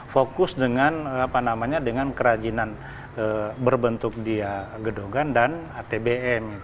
fokus dengan kerajinan berbentuk dia gedongan dan atbm